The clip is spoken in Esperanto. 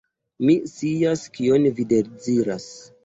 Mi scias, kion vi deziras.